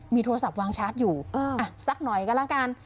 มีโทรศัพท์วางชาร์จอยู่สักหน่อยก็แล้วกัน